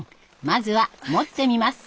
まずは持ってみます。